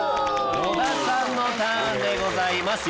野田さんのターンでございます。